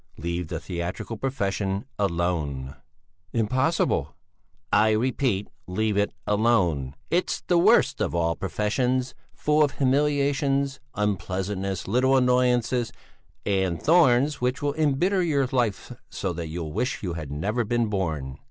Leave the theatrical profession alone!" "Impossible!" "I repeat, leave it alone! It's the worst of all professions! Full of humiliations, unpleasantnesses, little annoyances, and thorns which will embitter your life so that you'll wish you had never been born."